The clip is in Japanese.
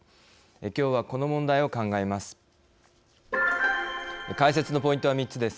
今日はこの問題を考えます。